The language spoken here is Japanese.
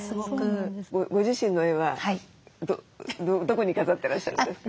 ご自身の絵はどこに飾ってらっしゃるんですか？